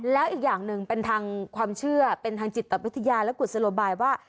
แล้วอีกอย่างหนึ่งเป็นทางความเชื่อเป็นทางจิตวิทยาและกุศโลบายว่า